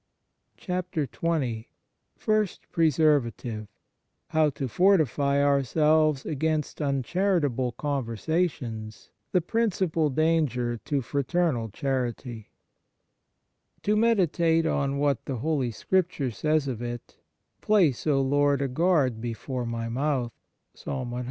XX FIRST PRESERVATIVE How to fortify ourselves against uncharitable conversations, the principal danger to fraternal charity To meditate on what the Holy Scripture says of it :" Place, O Lord, a guard before my mouth" (Ps. cxl.)